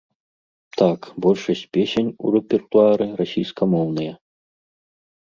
Так, большасць песень у рэпертуары расійскамоўныя.